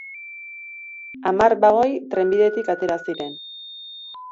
Hamar bagoi trenbidetik atera ziren.